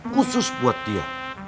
khusus buat dia